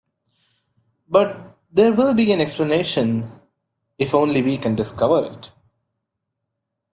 But there will be an explanation — if only we can discover it.